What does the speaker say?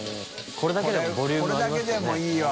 これだけでボリュームありますよね。